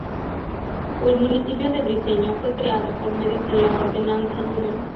El municipio de Briceño, fue creado por medio de la Ordenanza No.